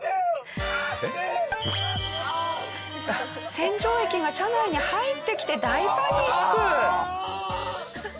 洗浄液が車内に入ってきて大パニック！